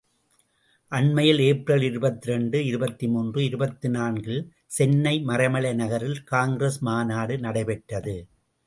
அண்மையில் ஏப்ரல் இருபத்திரண்டு, இருபத்து மூன்று, இருபத்து நான்கு இல் சென்னை மறைமலை நகரில் காங்கிரஸ் மாநாடு நடைபெற்றது.